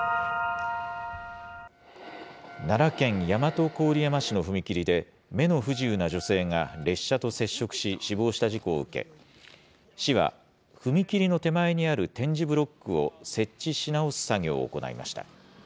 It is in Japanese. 奈良県大和郡山市の踏切で、目の不自由な女性が列車と接触し、死亡した事故を受け、市は、踏切の手前にある点字ブロックを設置し直す作業を行いました。